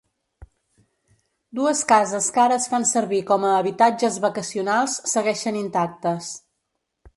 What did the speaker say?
Dues cases que ara es fan servir com a habitatges vacacionals segueixen intactes.